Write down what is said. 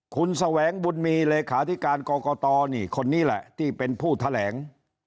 คุณแสวงบุญมีเลขาธิการกรกตนี่คนนี้แหละที่เป็นผู้แถลง